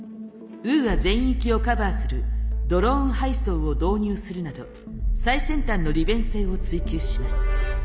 ウーア全域をカバーするドローン配送を導入するなど最先端の利便性を追求します。